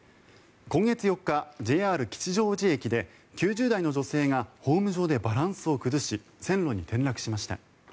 今月４日、ＪＲ吉祥寺駅で９０代の女性がホーム上でバランスを崩し線路に転落しました。